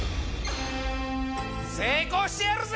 成功してやるぜ！